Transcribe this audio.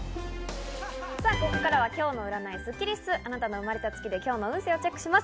ここからは今日の占いスッキりす、あなたの生まれた月で今日の運勢をチェックします。